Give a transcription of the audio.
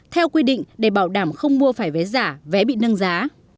theo quy định để bảo đảm không mua phải vé giả vé bị nâng giá